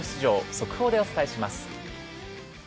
速報でお伝えします。